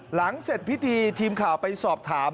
หลังเสร็จพิธีทีมข่าวไปสอบถาม